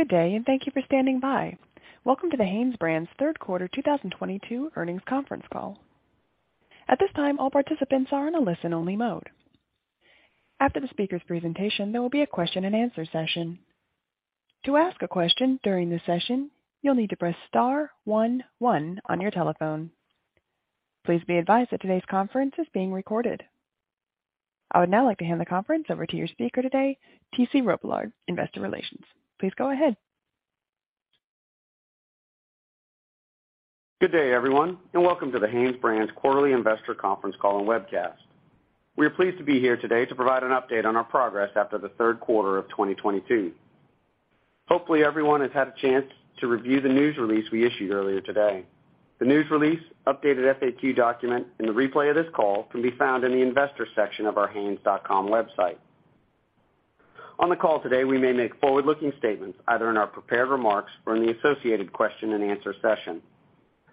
Good day, and thank you for standing by. Welcome to the HanesBrands' Third Quarter 2022 Earnings Conference Call. At this time, all participants are in a listen-only mode. After the speaker's presentation, there will be a Q&A session. To ask a question during the session, you'll need to press star one one on your telephone. Please be advised that today's conference is being recorded. I would now like to hand the conference over to your speaker today, T.C. Robillard, Investor Relations. Please go ahead. Good day, everyone, and welcome to the HanesBrands quarterly investor conference call and webcast. We are pleased to be here today to provide an update on our progress after the third quarter of 2022. Hopefully, everyone has had a chance to review the news release we issued earlier today. The news release, updated FAQ document, and the replay of this call can be found in the investor section of our hanes.com website. On the call today, we may make forward-looking statements, either in our prepared remarks or in the associated Q&A session.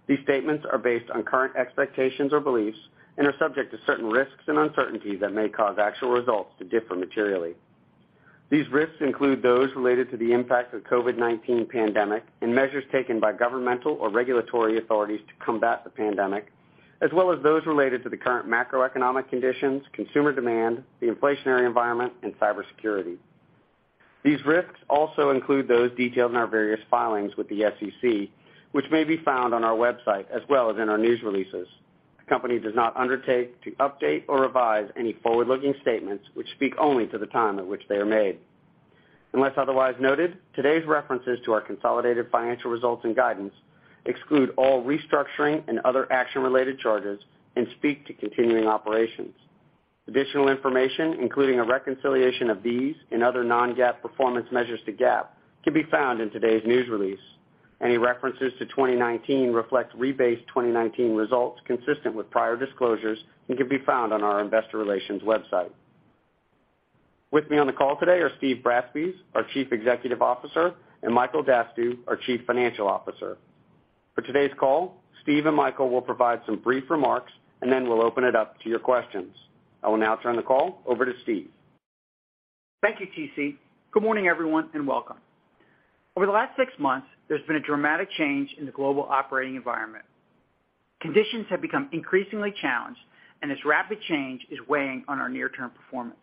These statements are based on current expectations or beliefs and are subject to certain risks and uncertainties that may cause actual results to differ materially. These risks include those related to the impact of COVID-19 pandemic and measures taken by governmental or regulatory authorities to combat the pandemic, as well as those related to the current macroeconomic conditions, consumer demand, the inflationary environment, and cybersecurity. These risks also include those detailed in our various filings with the SEC, which may be found on our website as well as in our news releases. The company does not undertake to update or revise any forward-looking statements which speak only to the time at which they are made. Unless otherwise noted, today's references to our consolidated financial results and guidance exclude all restructuring and other action-related charges and speak to continuing operations. Additional information, including a reconciliation of these and other non-GAAP performance measures to GAAP, can be found in today's news release. Any references to 2019 reflect rebased 2019 results consistent with prior disclosures and can be found on our investor relations website. With me on the call today are Steve Bratspies, our Chief Executive Officer, and Michael Dastugue, our Chief Financial Officer. For today's call, Steve and Michael will provide some brief remarks, and then we'll open it up to your questions. I will now turn the call over to Steve. Thank you, T.C. Good morning, everyone, and welcome. Over the last six months, there's been a dramatic change in the global operating environment. Conditions have become increasingly challenged, and this rapid change is weighing on our near-term performance.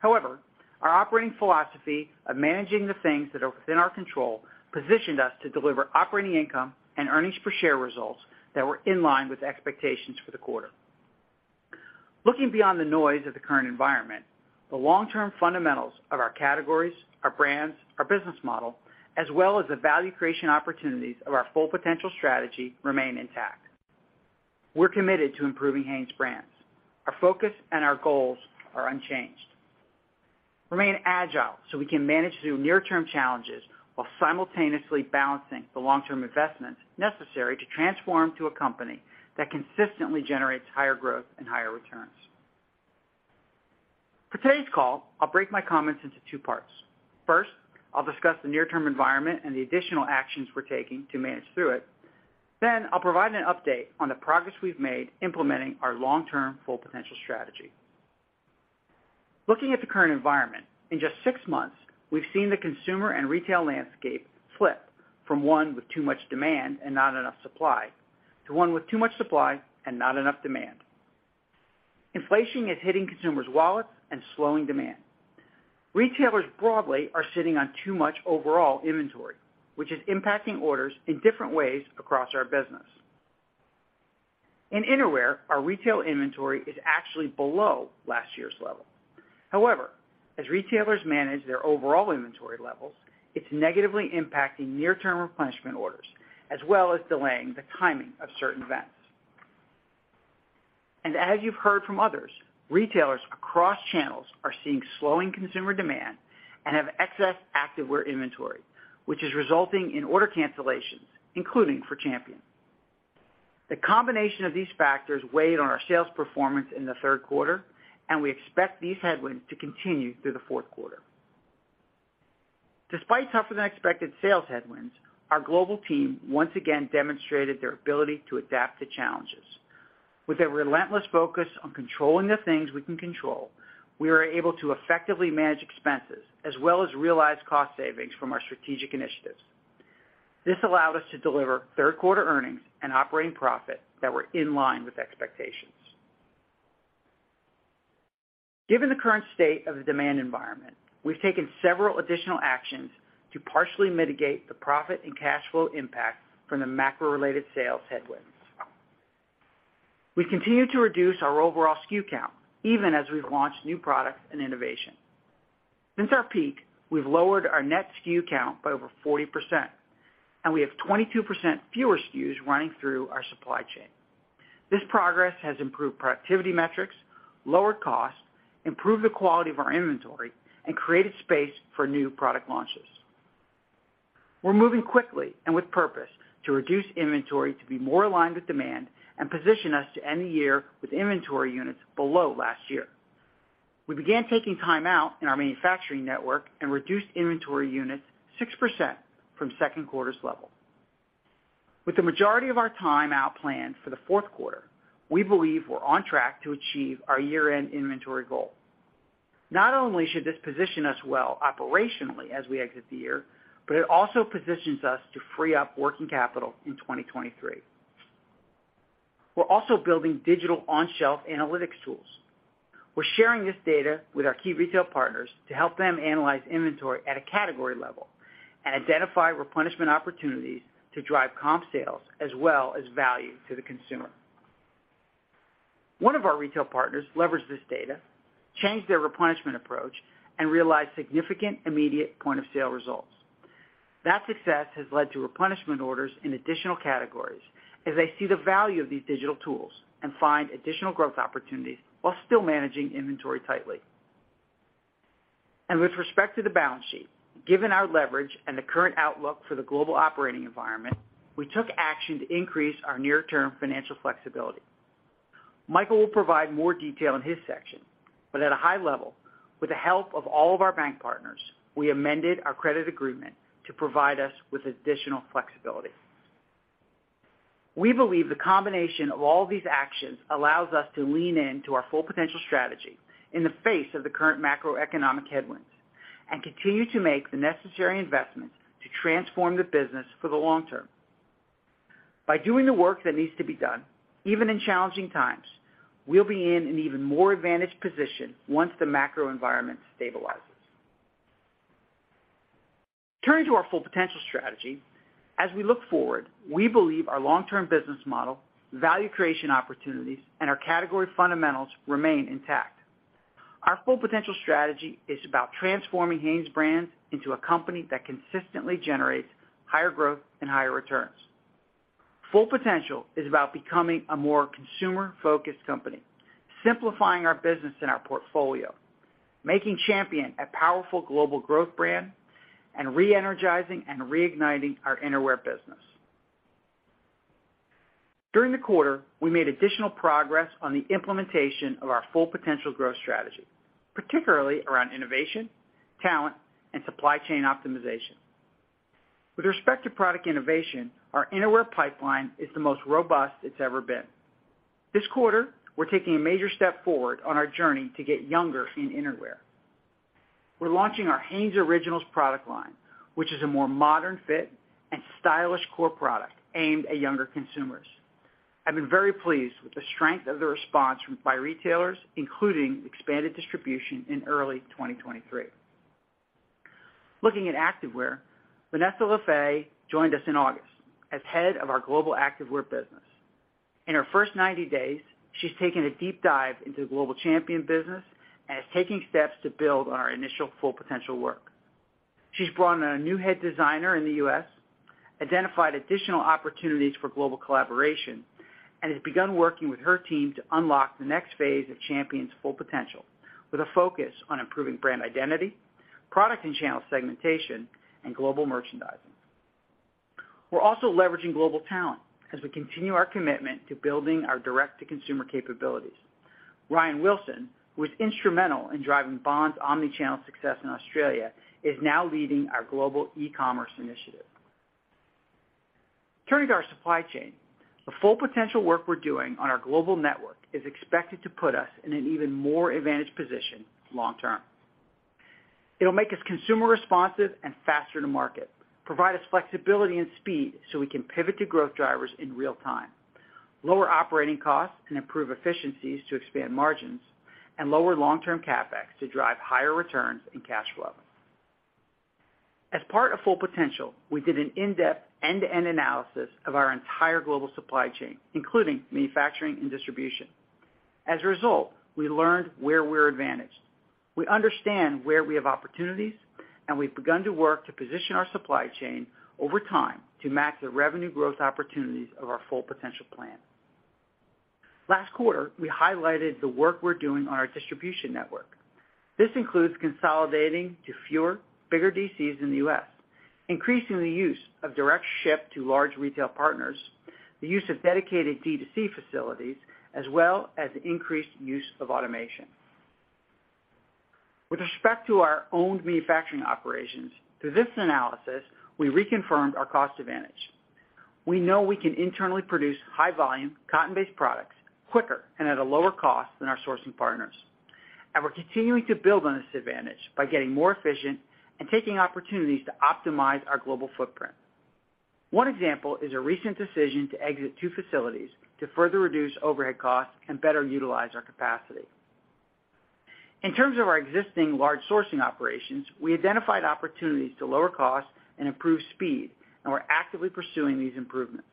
However, our operating philosophy of managing the things that are within our control positioned us to deliver operating income and earnings per share results that were in line with expectations for the quarter. Looking beyond the noise of the current environment, the long-term fundamentals of our categories, our brands, our business model, as well as the value creation opportunities of our Full Potential strategy remain intact. We're committed to improving HanesBrands. Our focus and our goals are unchanged. Remain agile so we can manage through near-term challenges while simultaneously balancing the long-term investments necessary to transform to a company that consistently generates higher growth and higher returns. For today's call, I'll break my comments into two parts. First, I'll discuss the near-term environment and the additional actions we're taking to manage through it. Then I'll provide an update on the progress we've made implementing our long-term Full Potential strategy. Looking at the current environment, in just six months, we've seen the consumer and retail landscape flip from one with too much demand and not enough supply to one with too much supply and not enough demand. Inflation is hitting consumers' wallets and slowing demand. Retailers broadly are sitting on too much overall inventory, which is impacting orders in different ways across our business. In innerwear, our retail inventory is actually below last year's level. However, as retailers manage their overall inventory levels, it's negatively impacting near-term replenishment orders, as well as delaying the timing of certain events. As you've heard from others, retailers across channels are seeing slowing consumer demand and have excess activewear inventory, which is resulting in order cancellations, including for Champion. The combination of these factors weighed on our sales performance in the third quarter, and we expect these headwinds to continue through the fourth quarter. Despite tougher than expected sales headwinds, our global team once again demonstrated their ability to adapt to challenges. With a relentless focus on controlling the things we can control, we are able to effectively manage expenses as well as realize cost savings from our strategic initiatives. This allowed us to deliver third-quarter earnings and operating profit that were in line with expectations. Given the current state of the demand environment, we've taken several additional actions to partially mitigate the profit and cash flow impact from the macro-related sales headwinds. We continue to reduce our overall SKU count, even as we've launched new products and innovation. Since our peak, we've lowered our net SKU count by over 40%, and we have 22% fewer SKUs running through our supply chain. This progress has improved productivity metrics, lowered costs, improved the quality of our inventory, and created space for new product launches. We're moving quickly and with purpose to reduce inventory to be more aligned with demand and position us to end the year with inventory units below last year. We began taking time out in our manufacturing network and reduced inventory units 6% from second quarter's level. With the majority of our time out planned for the fourth quarter, we believe we're on track to achieve our year-end inventory goal. Not only should this position us well operationally as we exit the year, but it also positions us to free up working capital in 2023. We're also building digital on-shelf analytics tools. We're sharing this data with our key retail partners to help them analyze inventory at a category level and identify replenishment opportunities to drive comp sales as well as value to the consumer. One of our retail partners leveraged this data, changed their replenishment approach, and realized significant immediate point-of-sale results. That success has led to replenishment orders in additional categories as they see the value of these digital tools and find additional growth opportunities while still managing inventory tightly. With respect to the balance sheet, given our leverage and the current outlook for the global operating environment, we took action to increase our near-term financial flexibility. Michael will provide more detail in his section, but at a high level, with the help of all of our bank partners, we amended our credit agreement to provide us with additional flexibility. We believe the combination of all these actions allows us to lean into our Full Potential strategy in the face of the current macroeconomic headwinds and continue to make the necessary investments to transform the business for the long term. By doing the work that needs to be done, even in challenging times, we'll be in an even more advantaged position once the macro environment stabilizes. Turning to our Full Potential strategy, as we look forward, we believe our long-term business model, value creation opportunities, and our category fundamentals remain intact. Our Full Potential strategy is about transforming HanesBrands into a company that consistently generates higher growth and higher returns. Full Potential is about becoming a more consumer-focused company, simplifying our business and our portfolio, making Champion a powerful global growth brand, and re-energizing and reigniting our innerwear business. During the quarter, we made additional progress on the implementation of our Full Potential growth strategy, particularly around innovation, talent, and supply chain optimization. With respect to product innovation, our innerwear pipeline is the most robust it's ever been. This quarter, we're taking a major step forward on our journey to get younger in innerwear. We're launching our Hanes Originals product line, which is a more modern fit and stylish core product aimed at younger consumers. I've been very pleased with the strength of the response by retailers, including expanded distribution in early 2023. Looking at activewear, Vanessa LeFebvre joined us in August as head of our global activewear business. In her first 90 days, she's taken a deep dive into the global Champion business and is taking steps to build on our initial Full Potential work. She's brought on a new head designer in the U.S., identified additional opportunities for global collaboration, and has begun working with her team to unlock the next phase of Champion's Full Potential, with a focus on improving brand identity, product and channel segmentation, and global merchandising. We're also leveraging global talent as we continue our commitment to building our direct-to-consumer capabilities. Ryan Wilson, who was instrumental in driving Bonds' omnichannel success in Australia, is now leading our global e-commerce initiative. Turning to our supply chain, the Full Potential work we're doing on our global network is expected to put us in an even more advantaged position long term. It'll make us consumer responsive and faster to market, provide us flexibility and speed so we can pivot to growth drivers in real time, lower operating costs and improve efficiencies to expand margins, and lower long-term CapEx to drive higher returns and cash flow. As part of Full Potential, we did an in-depth, end-to-end analysis of our entire global supply chain, including manufacturing and distribution. As a result, we learned where we're advantaged. We understand where we have opportunities, and we've begun to work to position our supply chain over time to match the revenue growth opportunities of our Full Potential plan. Last quarter, we highlighted the work we're doing on our distribution network. This includes consolidating to fewer, bigger DCs in the U.S., increasing the use of direct ship to large retail partners, the use of dedicated D2C facilities, as well as the increased use of automation. With respect to our owned manufacturing operations, through this analysis, we reconfirmed our cost advantage. We know we can internally produce high-volume, cotton-based products quicker and at a lower cost than our sourcing partners, and we're continuing to build on this advantage by getting more efficient and taking opportunities to optimize our global footprint. One example is a recent decision to exit two facilities to further reduce overhead costs and better utilize our capacity. In terms of our existing large sourcing operations, we identified opportunities to lower costs and improve speed, and we're actively pursuing these improvements.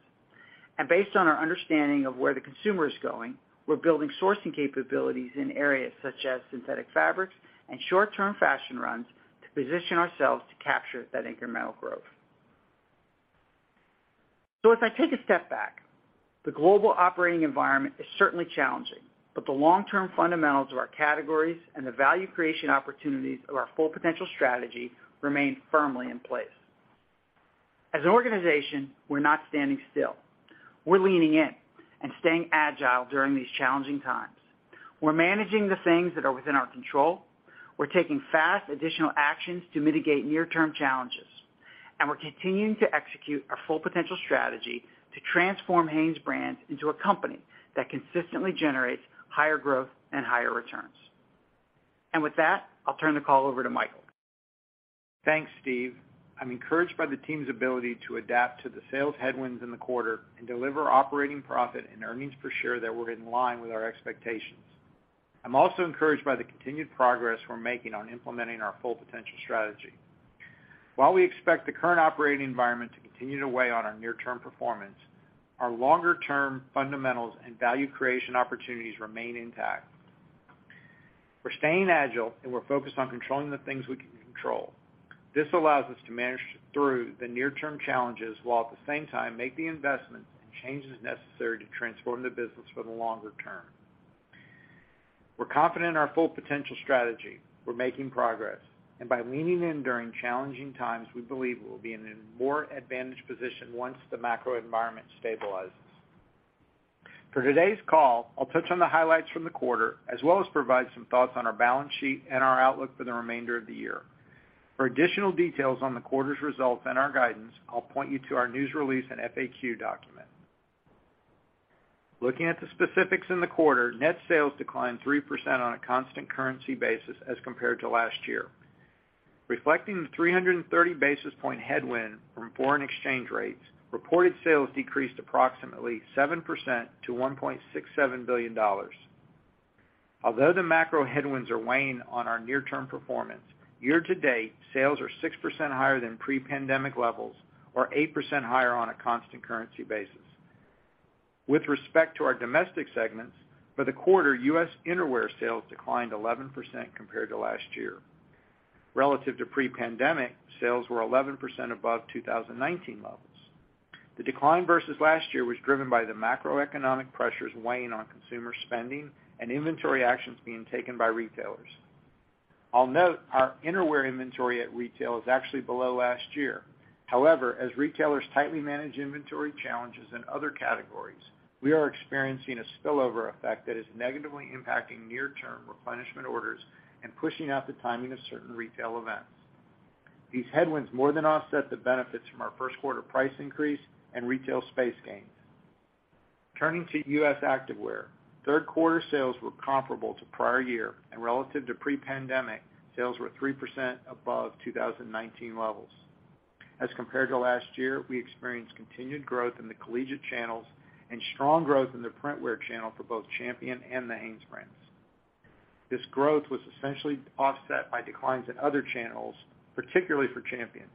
Based on our understanding of where the consumer is going, we're building sourcing capabilities in areas such as synthetic fabrics and short-term fashion runs to position ourselves to capture that incremental growth. As I take a step back, the global operating environment is certainly challenging, but the long-term fundamentals of our categories and the value creation opportunities of our Full Potential strategy remain firmly in place. As an organization, we're not standing still. We're leaning in and staying agile during these challenging times. We're managing the things that are within our control, we're taking fast additional actions to mitigate near-term challenges, and we're continuing to execute our Full Potential strategy to transform HanesBrands into a company that consistently generates higher growth and higher returns. With that, I'll turn the call over to Michael. Thanks, Steve. I'm encouraged by the team's ability to adapt to the sales headwinds in the quarter and deliver operating profit and earnings per share that were in line with our expectations. I'm also encouraged by the continued progress we're making on implementing our Full Potential strategy. While we expect the current operating environment to continue to weigh on our near-term performance, our longer-term fundamentals and value creation opportunities remain intact. We're staying agile, and we're focused on controlling the things we can control. This allows us to manage through the near-term challenges, while at the same time make the investments and changes necessary to transform the business for the longer term. We're confident in our Full Potential strategy. We're making progress, and by leaning in during challenging times, we believe we'll be in a more advantaged position once the macro environment stabilizes. For today's call, I'll touch on the highlights from the quarter, as well as provide some thoughts on our balance sheet and our outlook for the remainder of the year. For additional details on the quarter's results and our guidance, I'll point you to our news release and FAQ document. Looking at the specifics in the quarter, net sales declined 3% on a constant currency basis as compared to last year. Reflecting the 330 basis points headwind from foreign exchange rates, reported sales decreased approximately 7% to $1.67 billion. Although the macro headwinds are weighing on our near-term performance, year-to-date sales are 6% higher than pre-pandemic levels or 8% higher on a constant currency basis. With respect to our domestic segments, for the quarter, U.S. innerwear sales declined 11% compared to last year. Relative to pre-pandemic, sales were 11% above 2019 levels. The decline versus last year was driven by the macroeconomic pressures weighing on consumer spending and inventory actions being taken by retailers. I'll note our innerwear inventory at retail is actually below last year. However, as retailers tightly manage inventory challenges in other categories, we are experiencing a spillover effect that is negatively impacting near-term replenishment orders and pushing out the timing of certain retail events. These headwinds more than offset the benefits from our first quarter price increase and retail space gains. Turning to U.S. activewear, third quarter sales were comparable to prior year and relative to pre-pandemic, sales were 3% above 2019 levels. As compared to last year, we experienced continued growth in the collegiate channels and strong growth in the printwear channel for both Champion and the Hanes brands. This growth was essentially offset by declines in other channels, particularly for Champion.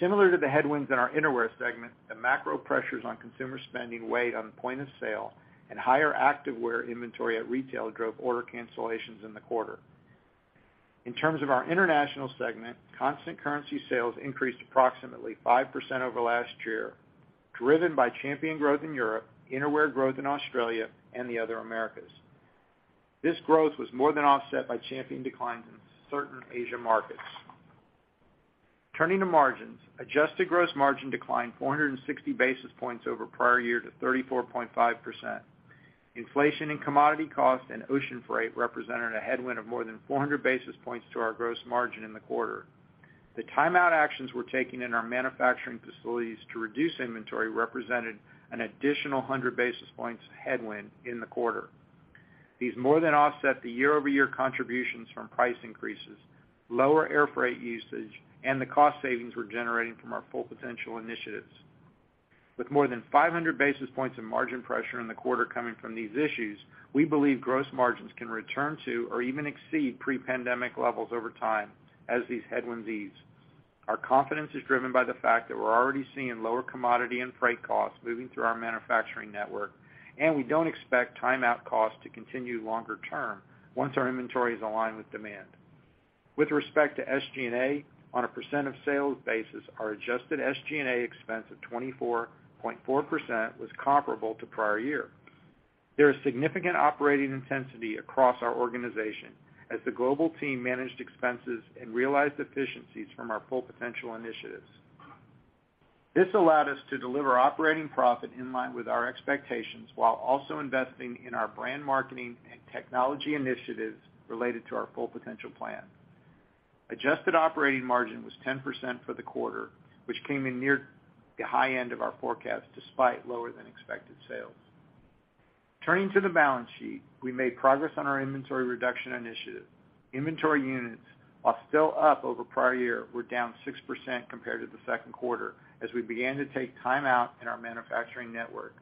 Similar to the headwinds in our innerwear segment, the macro pressures on consumer spending weighed on point of sale and higher activewear inventory at retail drove order cancellations in the quarter. In terms of our international segment, constant currency sales increased approximately 5% over last year, driven by Champion growth in Europe, innerwear growth in Australia, and the other Americas. This growth was more than offset by Champion declines in certain Asia markets. Turning to margins, adjusted gross margin declined 460 basis points over prior year to 34.5%. Inflation in commodity costs and ocean freight represented a headwind of more than 400 basis points to our gross margin in the quarter. The timeout actions we're taking in our manufacturing facilities to reduce inventory represented an additional 100 basis points headwind in the quarter. These more than offset the year-over-year contributions from price increases, lower air freight usage, and the cost savings we're generating from our Full Potential initiatives. With more than 500 basis points of margin pressure in the quarter coming from these issues, we believe gross margins can return to or even exceed pre-pandemic levels over time as these headwinds ease. Our confidence is driven by the fact that we're already seeing lower commodity and freight costs moving through our manufacturing network, and we don't expect timeout costs to continue longer term once our inventory is aligned with demand. With respect to SG&A, on a percent of sales basis, our adjusted SG&A expense of 24.4% was comparable to prior year. There is significant operating intensity across our organization as the global team managed expenses and realized efficiencies from our Full Potential initiatives. This allowed us to deliver operating profit in line with our expectations while also investing in our brand marketing and technology initiatives related to our Full Potential plan. Adjusted operating margin was 10% for the quarter, which came in near the high end of our forecast despite lower than expected sales. Turning to the balance sheet, we made progress on our inventory reduction initiative. Inventory units, while still up over prior year, were down 6% compared to the second quarter as we began to take time out in our manufacturing network.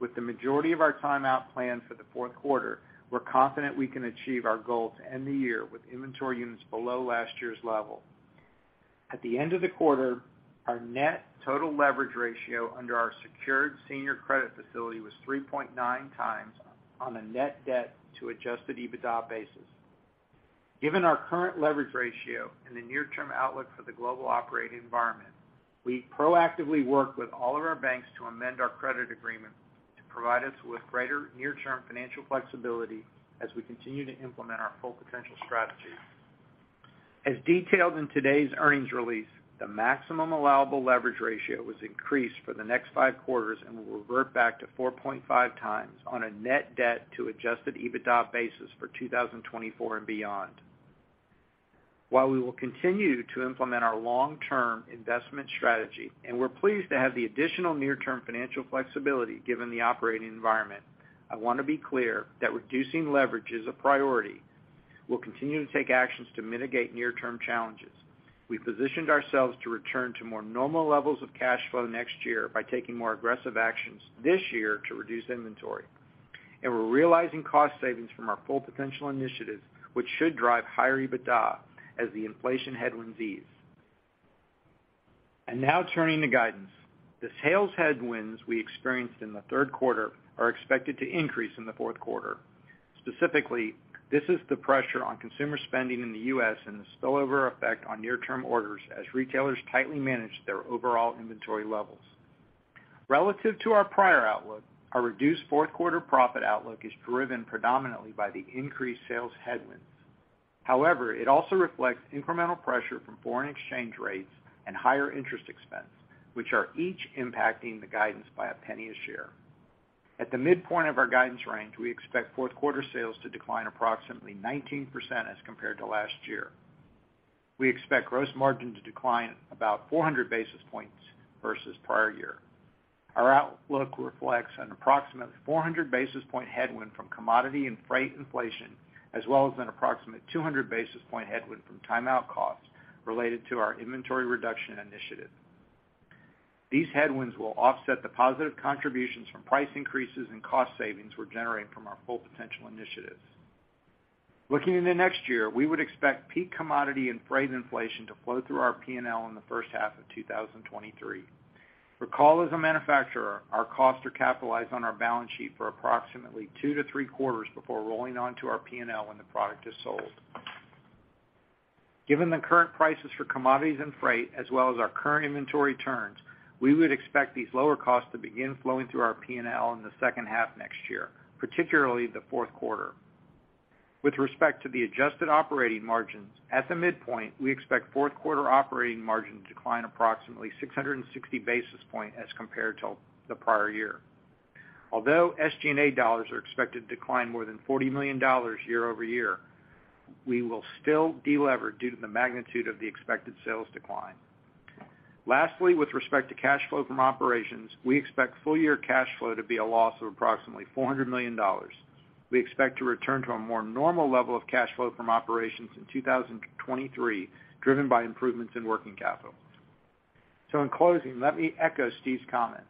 With the majority of our timeout planned for the fourth quarter, we're confident we can achieve our goal to end the year with inventory units below last year's level. At the end of the quarter, our net total leverage ratio under our secured senior credit facility was 3.9 times on a net debt to adjusted EBITDA basis. Given our current leverage ratio and the near-term outlook for the global operating environment, we proactively worked with all of our banks to amend our credit agreement to provide us with greater near-term financial flexibility as we continue to implement our Full Potential strategy. As detailed in today's earnings release, the maximum allowable leverage ratio was increased for the next five quarters and will revert back to 4.5 times on a net debt to adjusted EBITDA basis for 2024 and beyond. While we will continue to implement our long-term investment strategy, and we're pleased to have the additional near-term financial flexibility given the operating environment, I wanna be clear that reducing leverage is a priority. We'll continue to take actions to mitigate near-term challenges. We've positioned ourselves to return to more normal levels of cash flow next year by taking more aggressive actions this year to reduce inventory. We're realizing cost savings from our Full Potential initiatives, which should drive higher EBITDA as the inflation headwinds ease. Now turning to guidance. The sales headwinds we experienced in the third quarter are expected to increase in the fourth quarter. Specifically, this is the pressure on consumer spending in the U.S. and the spillover effect on near-term orders as retailers tightly manage their overall inventory levels. Relative to our prior outlook, our reduced fourth quarter profit outlook is driven predominantly by the increased sales headwinds. However, it also reflects incremental pressure from foreign exchange rates and higher interest expense, which are each impacting the guidance by a penny a share. At the midpoint of our guidance range, we expect fourth quarter sales to decline approximately 19% as compared to last year. We expect gross margin to decline about 400 basis points versus prior year. Our outlook reflects an approximately 400 basis point headwind from commodity and freight inflation, as well as an approximate 200 basis point headwind from timeout costs related to our inventory reduction initiative. These headwinds will offset the positive contributions from price increases and cost savings we're generating from our Full Potential initiatives. Looking into next year, we would expect peak commodity and freight inflation to flow through our P&L in the first half of 2023. Recall as a manufacturer, our costs are capitalized on our balance sheet for approximately two to three quarters before rolling on to our P&L when the product is sold. Given the current prices for commodities and freight as well as our current inventory turns, we would expect these lower costs to begin flowing through our P&L in the second half next year, particularly the fourth quarter. With respect to the adjusted operating margins, at the midpoint, we expect fourth quarter operating margin to decline approximately 660 basis points as compared to the prior year. Although SG&A dollars are expected to decline more than $40 million year-over-year, we will still delever due to the magnitude of the expected sales decline. Lastly, with respect to cash flow from operations, we expect full-year cash flow to be a loss of approximately $400 million. We expect to return to a more normal level of cash flow from operations in 2023, driven by improvements in working capital. In closing, let me echo Steve's comments.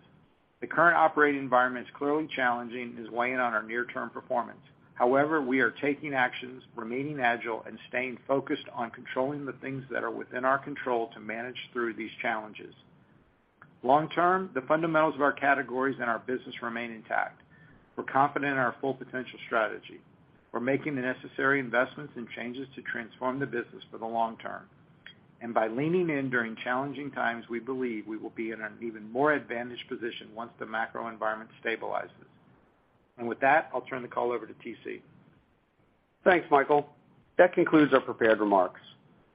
The current operating environment is clearly challenging and is weighing on our near-term performance. However, we are taking actions, remaining agile, and staying focused on controlling the things that are within our control to manage through these challenges. Long term, the fundamentals of our categories and our business remain intact. We're confident in our Full Potential strategy. We're making the necessary investments and changes to transform the business for the long term. By leaning in during challenging times, we believe we will be in an even more advantaged position once the macro environment stabilizes. With that, I'll turn the call over to T.C. Thanks, Michael. That concludes our prepared remarks.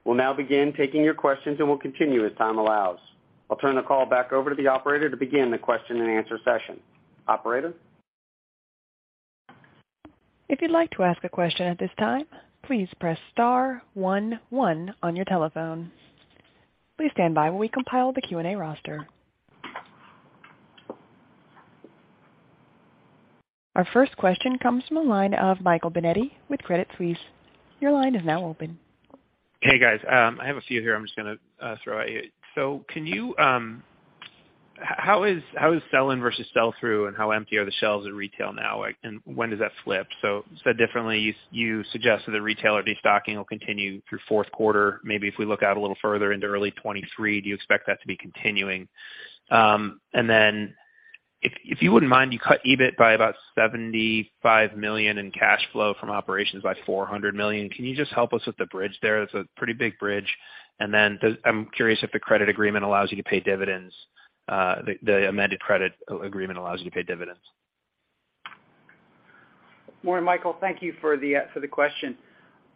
We'll now begin taking your questions, and we'll continue as time allows. I'll turn the call back over to the operator to begin the Q&A session. Operator? If you'd like to ask a question at this time, please press star one one on your telephone. Please stand by while we compile the Q&A roster. Our first question comes from the line of Michael Binetti with Credit Suisse. Your line is now open. Hey, guys. I have a few here I'm just gonna throw at you. Can you? How is sell-in versus sell-through, and how empty are the shelves in retail now? Like, when does that flip? Said differently, you suggested the retailer destocking will continue through fourth quarter. Maybe if we look out a little further into early 2023, do you expect that to be continuing? If you wouldn't mind, you cut EBIT by about $75 million and cash flow from operations by $400 million. Can you just help us with the bridge there? That's a pretty big bridge. I'm curious if the amended credit agreement allows you to pay dividends. Morning, Michael. Thank you for the, for the question.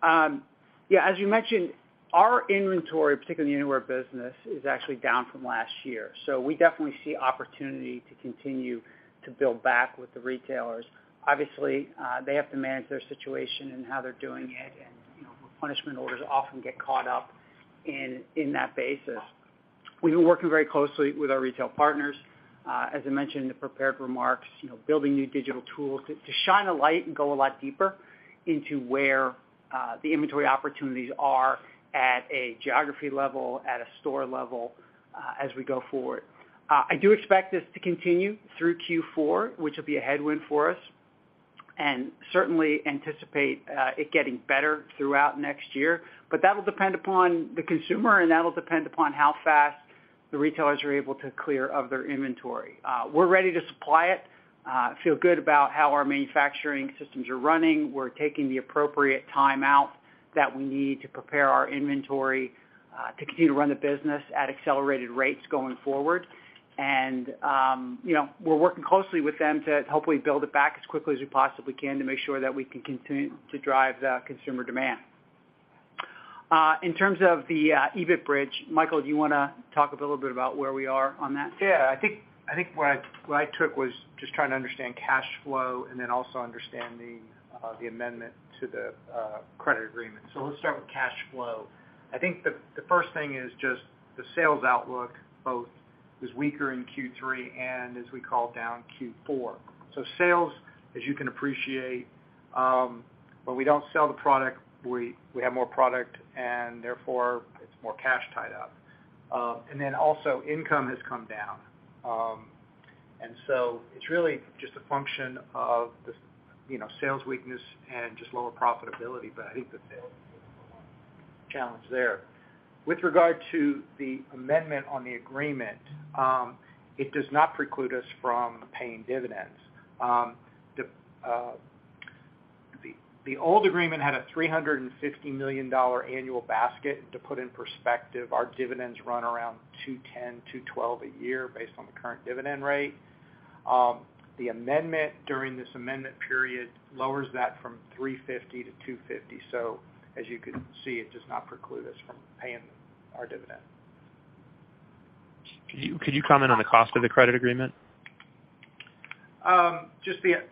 Yeah, as you mentioned, our inventory, particularly in the innerwear business, is actually down from last year. We definitely see opportunity to continue to build back with the retailers. Obviously, they have to manage their situation and how they're doing it and, you know, replenishment orders often get caught up in that basis. We've been working very closely with our retail partners, as I mentioned in the prepared remarks, you know, building new digital tools to shine a light and go a lot deeper into where, the inventory opportunities are at a geography level, at a store level, as we go forward. I do expect this to continue through Q4, which will be a headwind for us, and certainly anticipate it getting better throughout next year. That'll depend upon the consumer, and that'll depend upon how fast the retailers are able to clear out their inventory. We're ready to supply it, feel good about how our manufacturing systems are running. We're taking the appropriate timeout. That we need to prepare our inventory to continue to run the business at accelerated rates going forward. You know, we're working closely with them to hopefully build it back as quickly as we possibly can to make sure that we can continue to drive the consumer demand. In terms of the EBIT bridge, Michael, do you wanna talk a little bit about where we are on that? Yeah. I think what I took was just trying to understand cash flow and then also understanding the amendment to the credit agreement. Let's start with cash flow. I think the first thing is just the sales outlook both was weaker in Q3, and as we dial down Q4. Sales, as you can appreciate, when we don't sell the product, we have more product and therefore it's more cash tied up. And then also income has come down. And so it's really just a function of the sales weakness and just lower profitability. But I think the challenge there. With regard to the amendment on the agreement, it does not preclude us from paying dividends. The old agreement had a $350 million annual basket. To put in perspective, our dividends run around $210-$212 a year based on the current dividend rate. The amendment during this amendment period lowers that from $350 to $250. As you can see, it does not preclude us from paying our dividend. Could you comment on the cost of the credit agreement?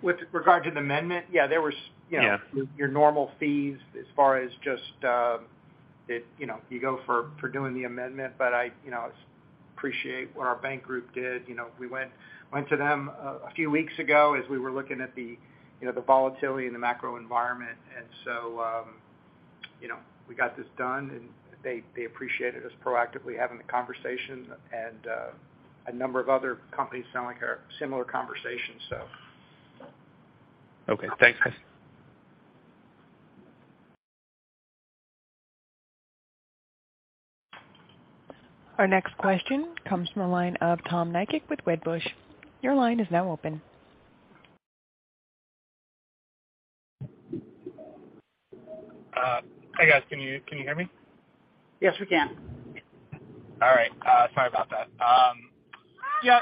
With regard to the amendment? Yeah, there was, you know, your normal fees as far as just. You know, you go for doing the amendment, but I, you know, appreciate what our bank group did. You know, we went to them a few weeks ago as we were looking at the, you know, the volatility in the macro environment. You know, we got this done, and they appreciated us proactively having the conversation, and a number of other companies sound like a similar conversation, so. Okay. Thanks, guys. Our next question comes from the line of Tom Nikic with Wedbush. Your line is now open. Hi, guys. Can you hear me? Yes, we can. All right. Sorry about that. Yeah,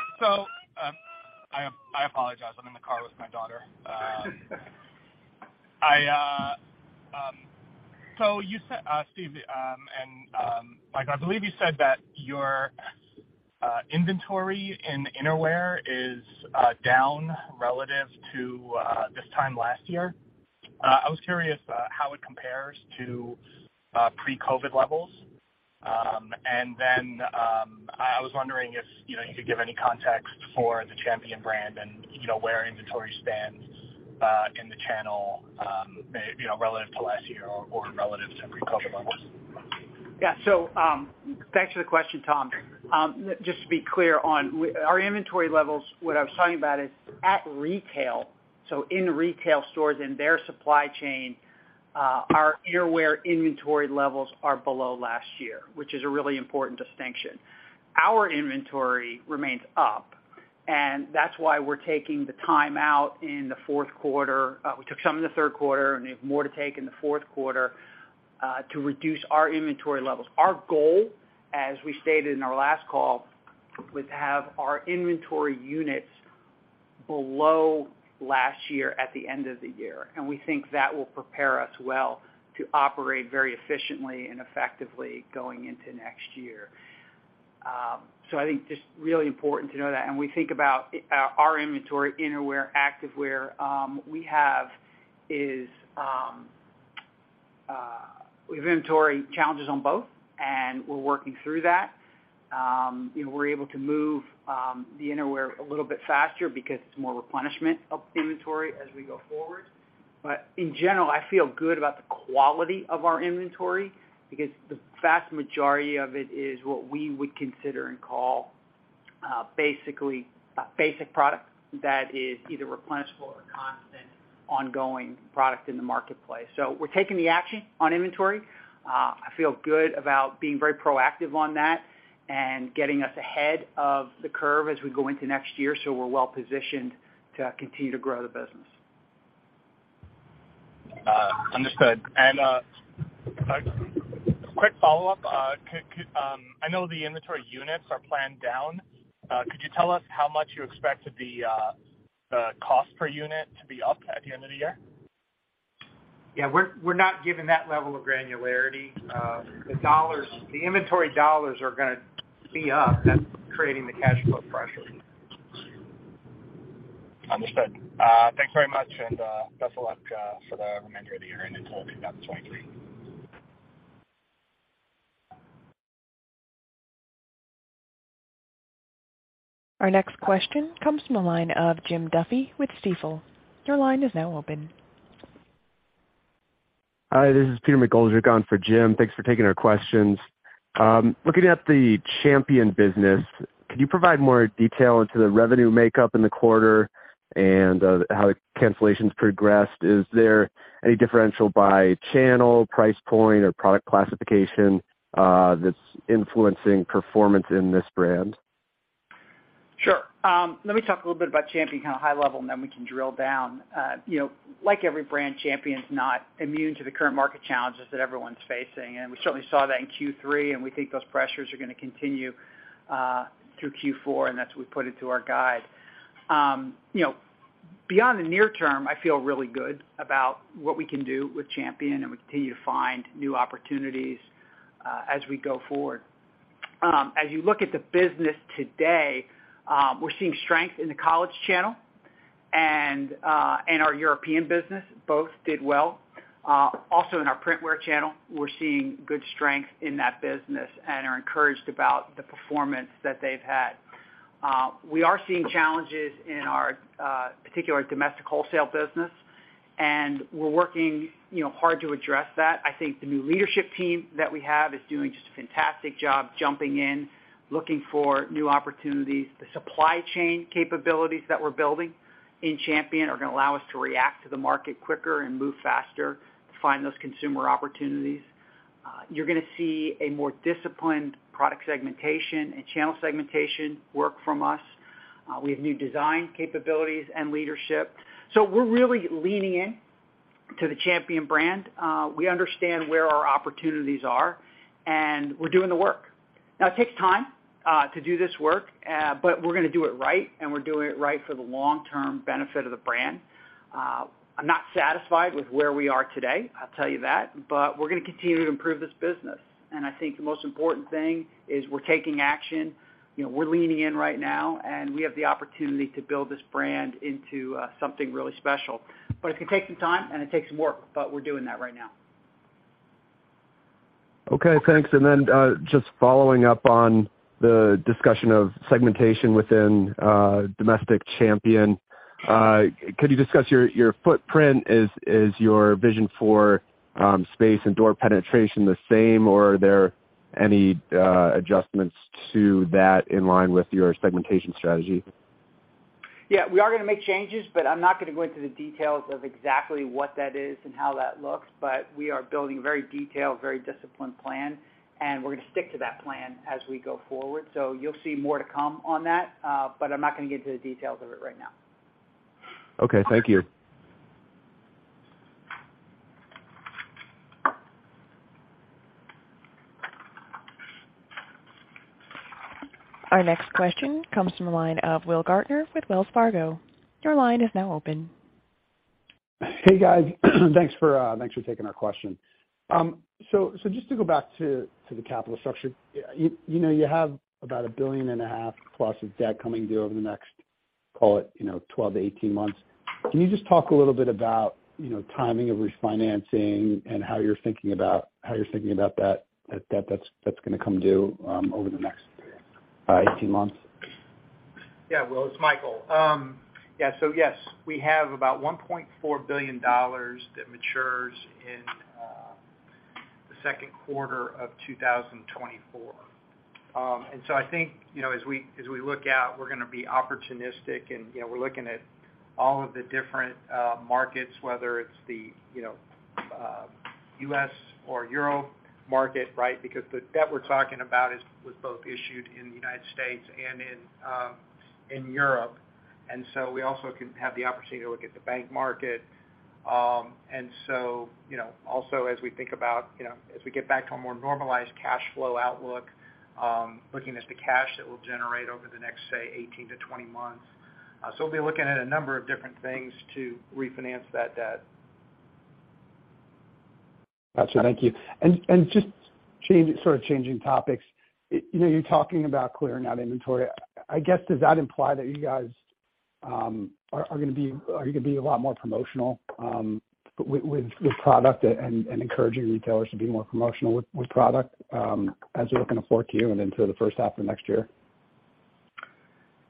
I apologize. I'm in the car with my daughter. You said, Steve, and Michael, I believe you said that your inventory in innerwear is down relative to this time last year. I was curious how it compares to pre-COVID levels. Then I was wondering if you know you could give any context for the Champion brand and you know where inventory stands in the channel, maybe you know, relative to last year or relative to pre-COVID levels. Yeah. Thanks for the question, Tom. Just to be clear on our inventory levels, what I was talking about is at retail, so in retail stores, in their supply chain, our innerwear inventory levels are below last year, which is a really important distinction. Our inventory remains up, and that's why we're taking the time out in the fourth quarter. We took some in the third quarter, and we have more to take in the fourth quarter, to reduce our inventory levels. Our goal, as we stated in our last call, was to have our inventory units below last year at the end of the year. We think that will prepare us well to operate very efficiently and effectively going into next year. I think just really important to know that. We think about our inventory, innerwear, activewear. We have inventory challenges on both, and we're working through that. You know, we're able to move the innerwear a little bit faster because it's more replenishment of inventory as we go forward. But in general, I feel good about the quality of our inventory because the vast majority of it is what we would consider and call basically a basic product that is either replenishable or constant ongoing product in the marketplace. We're taking the action on inventory. I feel good about being very proactive on that and getting us ahead of the curve as we go into next year, so we're well-positioned to continue to grow the business. Understood. A quick follow-up. I know the inventory units are planned down. Could you tell us how much you expect to be the cost per unit to be up at the end of the year? Yeah. We're not given that level of granularity. The inventory dollars are gonna be up. That's creating the cash flow pressure. Understood. Thanks very much, and best of luck for the remainder of the year and into 2023. Our next question comes from the line of Jim Duffy with Stifel. Your line is now open. Hi, this is Peter McGoldrick on for Jim. Thanks for taking our questions. Looking at the Champion business, could you provide more detail into the revenue makeup in the quarter and how the cancellations progressed? Is there any differential by channel, price point, or product classification that's influencing performance in this brand? Sure. Let me talk a little bit about Champion kind of high level, and then we can drill down. You know, like every brand, Champion's not immune to the current market challenges that everyone's facing. We certainly saw that in Q3, and we think those pressures are gonna continue through Q4, and that's what we put into our guide. You know, beyond the near term, I feel really good about what we can do with Champion, and we continue to find new opportunities as we go forward. As you look at the business today, we're seeing strength in the college channel and our European business. Both did well. Also in our print wear channel, we're seeing good strength in that business and are encouraged about the performance that they've had. We are seeing challenges in our particular domestic wholesale business, and we're working, you know, hard to address that. I think the new leadership team that we have is doing just a fantastic job jumping in, looking for new opportunities. The supply chain capabilities that we're building in Champion are gonna allow us to react to the market quicker and move faster to find those consumer opportunities. You're gonna see a more disciplined product segmentation and channel segmentation work from us. We have new design capabilities and leadership. We're really leaning in to the Champion brand. We understand where our opportunities are, and we're doing the work. Now, it takes time to do this work, but we're gonna do it right, and we're doing it right for the long-term benefit of the brand. I'm not satisfied with where we are today, I'll tell you that, but we're gonna continue to improve this business. I think the most important thing is we're taking action. You know, we're leaning in right now, and we have the opportunity to build this brand into, something really special. It can take some time and it takes some work, but we're doing that right now. Okay. Thanks. Just following up on the discussion of segmentation within domestic Champion. Could you discuss your footprint? Is your vision for space and door penetration the same, or are there any adjustments to that in line with your segmentation strategy? Yeah. We are gonna make changes, but I'm not gonna go into the details of exactly what that is and how that looks. We are building a very detailed, very disciplined plan, and we're gonna stick to that plan as we go forward. You'll see more to come on that, but I'm not gonna get into the details of it right now. Okay. Thank you. Our next question comes from the line of Will Gaertner with Wells Fargo. Your line is now open. Hey, guys. Thanks for taking our question. So just to go back to the capital structure. You know, you have about $1.5 billion plus of debt coming due over the next, call it, you know, 12-18 months. Can you just talk a little bit about, you know, timing of refinancing and how you're thinking about that that's gonna come due over the next 18 months? Yeah. Will, it's Michael. Yeah. Yes, we have about $1.4 billion that matures in the second quarter of 2024. I think, you know, as we look out, we're gonna be opportunistic and, you know, we're looking at all of the different markets, whether it's the, you know, U.S. or Euro market, right? Because the debt we're talking about is both issued in the United States and in Europe. We also can have the opportunity to look at the bank market. You know, also as we think about, you know, as we get back to a more normalized cash flow outlook, looking at the cash that we'll generate over the next, say, 18-20 months. We'll be looking at a number of different things to refinance that debt. Gotcha. Thank you. Just sort of changing topics. You know, you're talking about clearing out inventory. I guess, does that imply that you guys are gonna be a lot more promotional with product and encouraging retailers to be more promotional with product, as we look into fourth Q and into the first half of next year?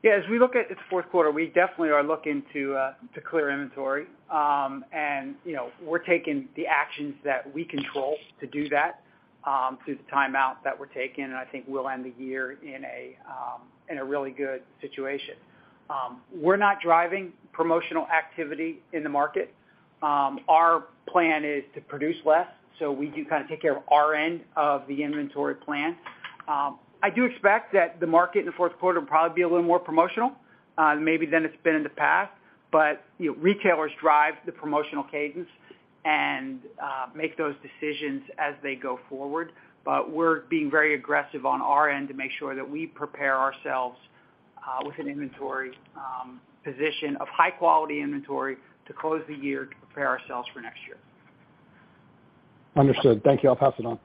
Yeah. As we look at this fourth quarter, we definitely are looking to clear inventory. You know, we're taking the actions that we control to do that, through the timeout that we're taking, and I think we'll end the year in a really good situation. We're not driving promotional activity in the market. Our plan is to produce less, so we do kinda take care of our end of the inventory plan. I do expect that the market in the fourth quarter will probably be a little more promotional, maybe than it's been in the past. You know, retailers drive the promotional cadence and make those decisions as they go forward. We're being very aggressive on our end to make sure that we prepare ourselves with an inventory position of high quality inventory to close the year to prepare ourselves for next year. Understood. Thank you. I'll pass it on.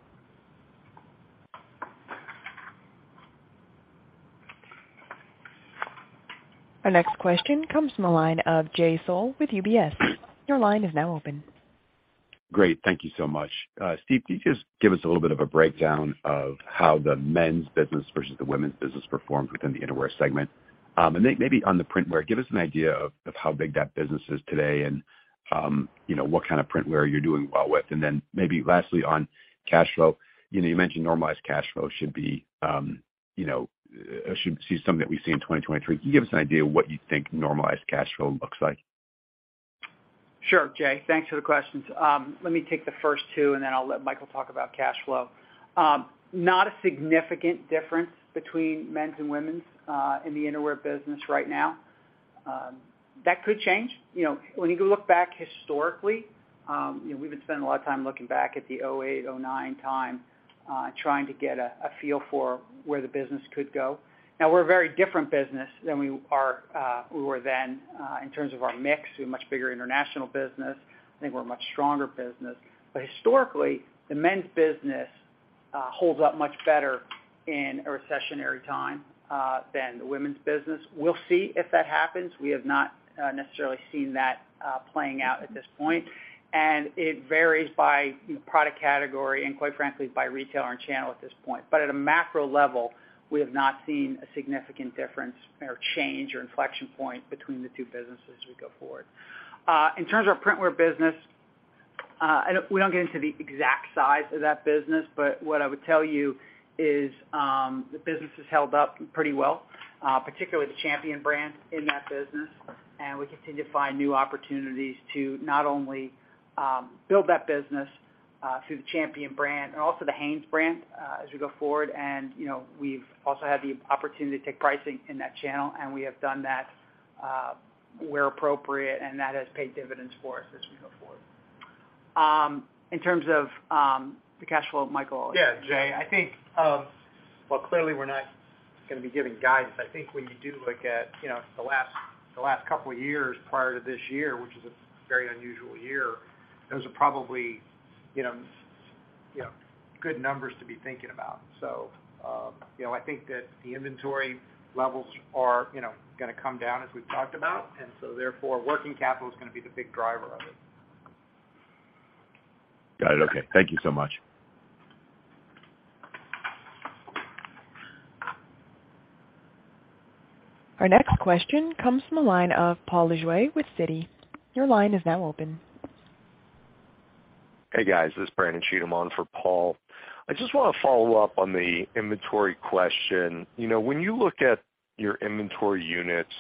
Our next question comes from the line of Jay Sole with UBS. Your line is now open. Great. Thank you so much. Steve, can you just give us a little bit of a breakdown of how the men's business versus the women's business performed within the innerwear segment? Maybe on the print wear, give us an idea of how big that business is today and, you know, what kind of print wear you're doing well with. Maybe lastly, on cash flow, you know, you mentioned normalized cash flow should be something that we see in 2023. Can you give us an idea of what you think normalized cash flow looks like? Sure, Jay. Thanks for the questions. Let me take the first two, and then I'll let Michael talk about cash flow. Not a significant difference between men's and women's in the innerwear business right now. That could change. You know, when you look back historically, you know, we would spend a lot of time looking back at the 2008, 2009 time, trying to get a feel for where the business could go. Now, we're a very different business than we were then in terms of our mix. We have much bigger international business. I think we're a much stronger business. Historically, the men's business holds up much better in a recessionary time than the women's business. We'll see if that happens. We have not necessarily seen that playing out at this point. It varies by, you know, product category and, quite frankly, by retailer and channel at this point. But at a macro level, we have not seen a significant difference or change or inflection point between the two businesses as we go forward. In terms of our Printwear business, we don't get into the exact size of that business, but what I would tell you is, the business has held up pretty well, particularly the Champion brand in that business. We continue to find new opportunities to not only build that business, through the Champion brand and also the Hanes brand, as we go forward. You know, we've also had the opportunity to take pricing in that channel, and we have done that, where appropriate, and that has paid dividends for us as we go forward. In terms of the cash flow, Michael. Yeah, Jay. I think, well, clearly we're not gonna be giving guidance. I think when you do look at, you know, the last couple of years prior to this year, which is a very unusual year, those are probably, you know, good numbers to be thinking about. You know, I think that the inventory levels are, you know, gonna come down as we've talked about, and so therefore, working capital is gonna be the big driver of it. Got it. Okay. Thank you so much. Our next question comes from the line of Paul Lejuez with Citi. Your line is now open. Hey, guys. This is Brandon Cheatham on for Paul. I just wanna follow up on the inventory question. You know, when you look at your inventory units,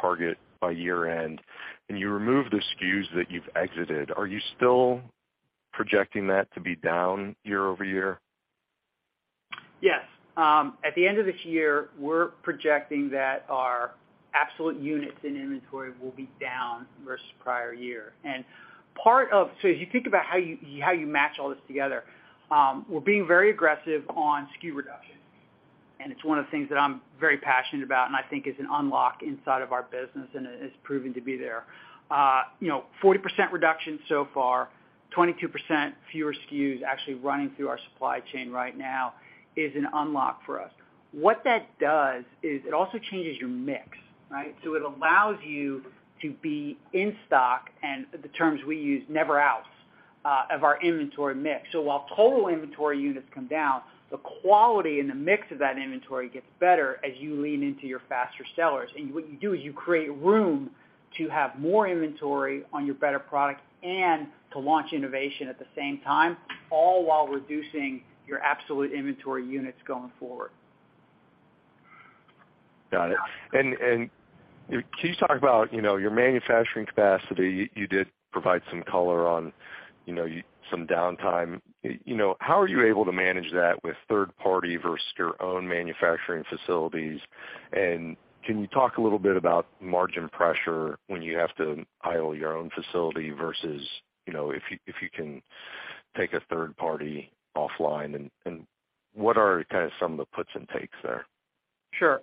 target by year-end and you remove the SKUs that you've exited, are you still projecting that to be down year-over-year? Yes. At the end of this year, we're projecting that our absolute units in inventory will be down versus prior year. As you think about how you match all this together, we're being very aggressive on SKU reduction, and it's one of the things that I'm very passionate about and I think is an unlock inside of our business, and it is proving to be there. You know, 40% reduction so far, 22% fewer SKUs actually running through our supply chain right now is an unlock for us. What that does is it also changes your mix, right? It allows you to be in stock and, the terms we use, never-outs, of our inventory mix. While total inventory units come down, the quality and the mix of that inventory gets better as you lean into your faster sellers. What you do is you create room to have more inventory on your better product and to launch innovation at the same time, all while reducing your absolute inventory units going forward. Got it. Can you talk about, you know, your manufacturing capacity? You did provide some color on, you know, some downtime. You know, how are you able to manage that with third party versus your own manufacturing facilities? Can you talk a little bit about margin pressure when you have to idle your own facility versus, you know, if you can take a third party offline, and what are kinda some of the puts and takes there? Sure.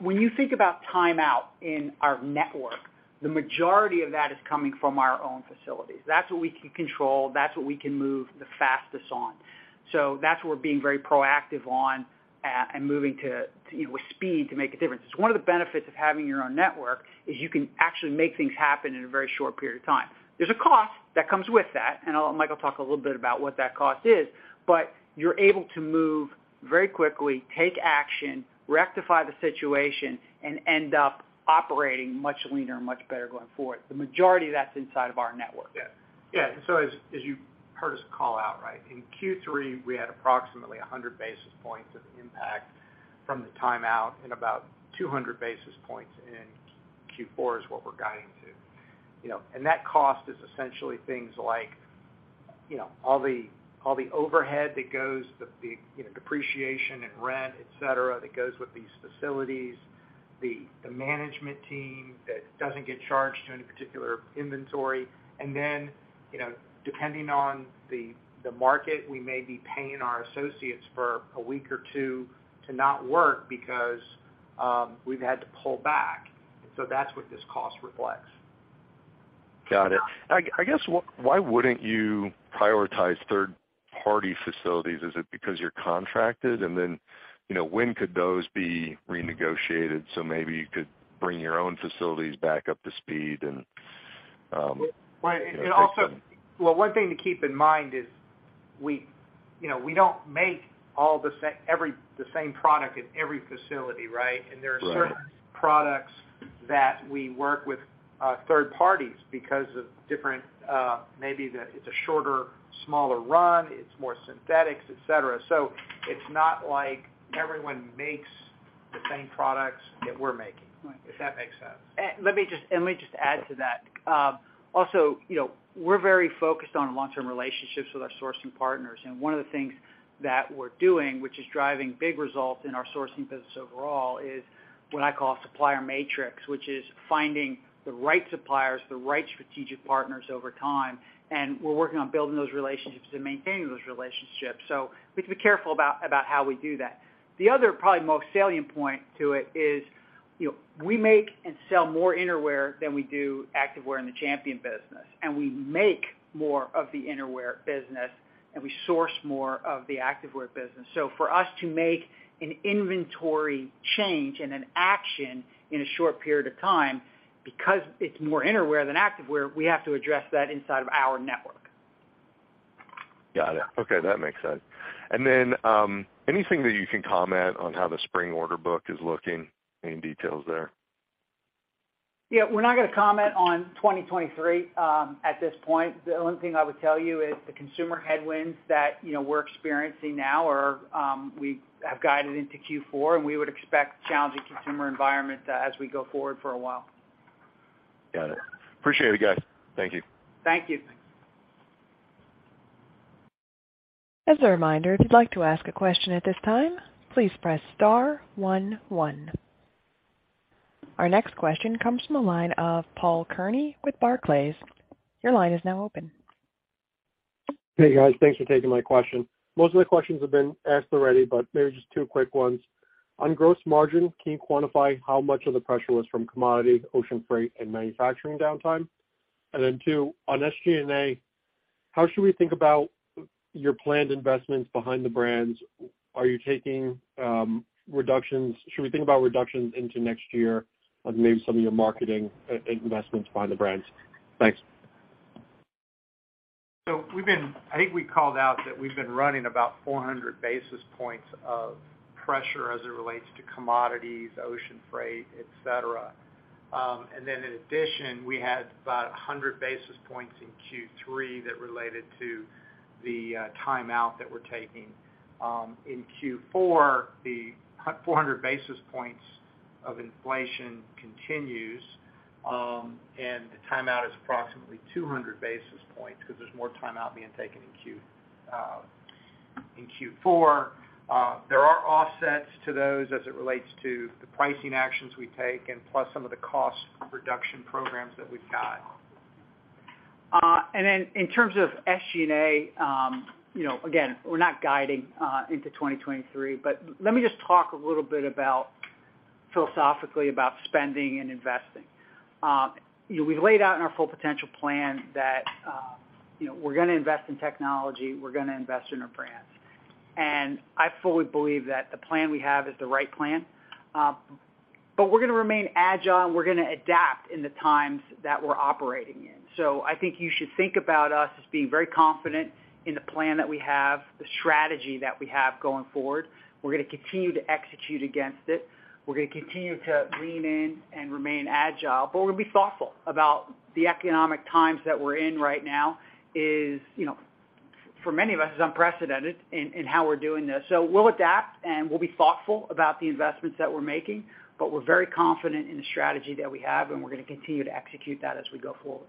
When you think about downtime in our network, the majority of that is coming from our own facilities. That's what we can control. That's what we can move the fastest on. So that's what we're being very proactive on, and moving to, you know, with speed to make a difference. It's one of the benefits of having your own network is you can actually make things happen in a very short period of time. There's a cost that comes with that, and I'll let Michael talk a little bit about what that cost is. You're able to move very quickly, take action, rectify the situation, and end up operating much leaner and much better going forward. The majority of that's inside of our network. Yeah, as you heard us call out, right, in Q3, we had approximately 100 basis points of impact from the timeout, and about 200 basis points in Q4 is what we're guiding to. You know, that cost is essentially things like, you know, all the overhead that goes, you know, depreciation and rent, et cetera, that goes with these facilities, the management team that doesn't get charged to any particular inventory. You know, depending on the market, we may be paying our associates for a week or two to not work because we've had to pull back. That's what this cost reflects. Got it. I guess why wouldn't you prioritize third-party facilities? Is it because you're contracted? Then, you know, when could those be renegotiated, so maybe you could bring your own facilities back up to speed and, you know? One thing to keep in mind is we, you know, we don't make all the same product in every facility, right? Right. There are certain products that we work with third parties because of different, maybe it's a shorter, smaller run, it's more synthetics, et cetera. It's not like everyone makes the same products that we're making. Right. If that makes sense. Let me just add to that. Also, you know, we're very focused on long-term relationships with our sourcing partners. One of the things that we're doing, which is driving big results in our sourcing business overall, is what I call supplier matrix, which is finding the right suppliers, the right strategic partners over time, and we're working on building those relationships and maintaining those relationships. We have to be careful about how we do that. The other probably most salient point to it is, you know, we make and sell more innerwear than we do activewear in the Champion business. We make more of the innerwear business, and we source more of the activewear business. For us to make an inventory change and an action in a short period of time because it's more innerwear than activewear, we have to address that inside of our network. Got it. Okay. That makes sense. Anything that you can comment on how the spring order book is looking? Any details there? Yeah. We're not gonna comment on 2023 at this point. The only thing I would tell you is the consumer headwinds that, you know, we're experiencing now, we have guided into Q4, and we would expect challenging consumer environment as we go forward for a while. Got it. Appreciate it, guys. Thank you. Thank you. Thanks. As a reminder, if you'd like to ask a question at this time, please press star one one. Our next question comes from the line of Paul Kearney with Barclays. Your line is now open. Hey, guys. Thanks for taking my question. Most of the questions have been asked already, but maybe just two quick ones. On gross margin, can you quantify how much of the pressure was from commodity, ocean freight, and manufacturing downtime? Then two, on SG&A, how should we think about your planned investments behind the brands? Are you taking reductions? Should we think about reductions into next year on maybe some of your marketing investments behind the brands? Thanks. We've been running about 400 basis points of pressure as it relates to commodities, ocean freight, et cetera. I think we called out that we've been. In addition, we had about 100 basis points in Q3 that related to the timeout that we're taking. In Q4, the 400 basis points of inflation continues, and the timeout is approximately 200 basis points because there's more timeout being taken in Q4. There are offsets to those as it relates to the pricing actions we take and plus some of the cost reduction programs that we've got. In terms of SG&A, you know, again, we're not guiding into 2023. Let me just talk a little bit about, philosophically, about spending and investing. You know, we laid out in our Full Potential plan that, you know, we're gonna invest in technology, we're gonna invest in our brands. I fully believe that the plan we have is the right plan. We're gonna remain agile, and we're gonna adapt in the times that we're operating in. I think you should think about us as being very confident in the plan that we have, the strategy that we have going forward. We're gonna continue to execute against it. We're gonna continue to lean in and remain agile. We're gonna be thoughtful about the economic times that we're in right now, you know, for many of us, is unprecedented in how we're doing this. We'll adapt, and we'll be thoughtful about the investments that we're making, but we're very confident in the strategy that we have, and we're gonna continue to execute that as we go forward.